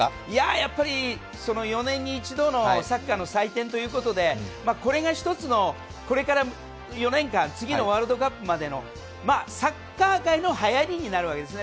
やっぱり４年に一度のサッカーの祭典ということで、これが一つの、これから４年間、次のワールドカップまでのサッカー界のはやりになるわけですね。